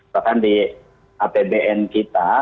bahkan di apbn kita